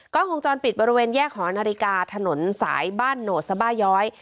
กล้องวงจรปิดบริเวณแยกหอนาฬิกาถนนสายบ้านโหนดสบาย้อย